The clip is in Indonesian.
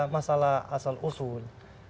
masalah asal usul